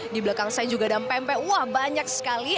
di belakang saya juga ada pempek wah banyak sekali